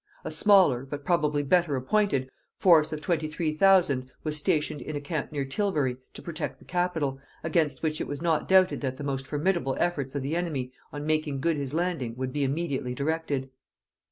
A smaller, but probably better appointed, force of twenty three thousand was stationed in a camp near Tilbury to protect the capital, against which it was not doubted that the most formidable efforts of the enemy on making good his landing would be immediately directed.